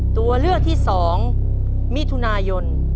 ตัวเลือกที่๒มิถุนายน